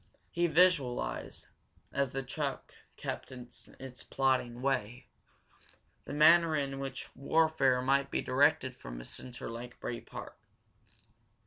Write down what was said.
He visualized, as the truck kept in its plodding way, the manner in which warfare might be directed from a center like Bray Park.